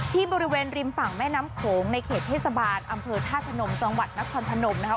ที่บริเวณริมฝั่งแม่น้ำโขงในเขตเทศบาลอำเภอธาตุพนมจังหวัดนครพนมนะคะ